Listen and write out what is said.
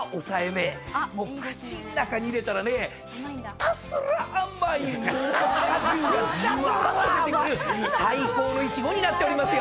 もう口の中に入れたらねひたすら甘い果汁がジュワーッと出てくる最高のイチゴになっておりますよ。